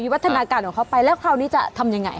วัฒนาการของเขาไปแล้วคราวนี้จะทำยังไง